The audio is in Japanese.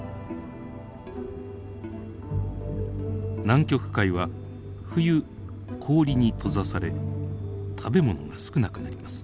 南極海は冬氷に閉ざされ食べ物が少なくなります。